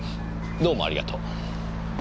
どうもありがとう。